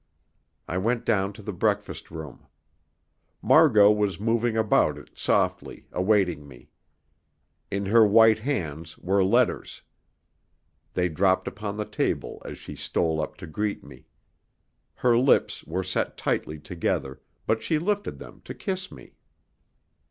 I went down to the breakfast room. Mar got was moving about it softly, awaiting me. In her white hands were letters. They dropped upon the table as she stole up to greet me. Her lips were set tightly together, but she lifted them to kiss me.